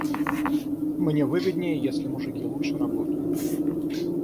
Мне выгоднее, если мужики лучше работают.